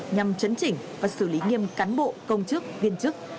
nhằm chấn chỉnh và xử lý nghiêm cán bộ công chức viên chức